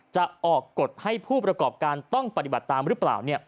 จะออกกฎให้ผู้ประกอบการต้องปฏิบัติตามหรือเปล่า